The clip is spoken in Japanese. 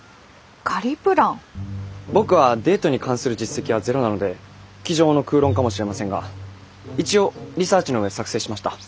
僕はデートに関する実績はゼロなので机上の空論かもしれませんが一応リサーチの上作成しました。